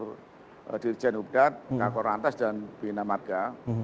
direktur dirjen ubdat kak korantes dan bina matka